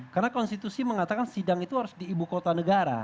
karena konstitusi mengatakan sidang itu harus di ibu kota negara